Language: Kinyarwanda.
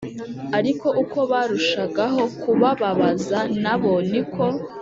Ariko uko barushagaho kubababaza na bo ni ko